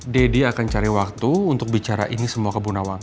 deddy akan cari waktu untuk bicara ini semua ke gunawan